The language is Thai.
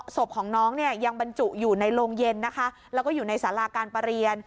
ศพของน้องเนี่ยยังบรรจุอยู่ในโรงเย็นนะคะแล้วก็อยู่ในสาราการประเรียน